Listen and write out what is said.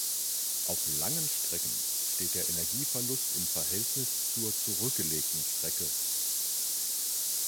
Auf langen Strecken steht der Energieverlust im Verhältnis zur zurückgelegten Strecke.